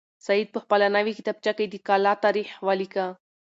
سعید په خپله نوې کتابچه کې د کلا تاریخ ولیکه.